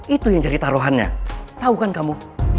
itu yang jadi taruhannya tahu kan kamu